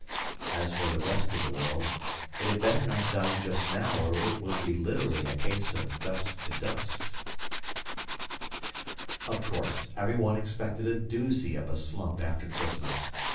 As for the rest of the world, it had better not die just now or it would be literally a case of dust to dust. Of course everyone expected a doozy of a slump after Christmas.